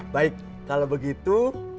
baik kalau begitu